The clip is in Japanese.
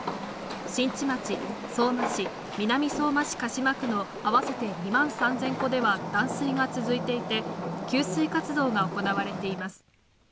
新地町、相馬市、南相馬市鹿島区の合わせて２万３０００戸では断水が続いていて、給水活動が行われています。